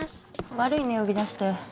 悪いね呼び出して。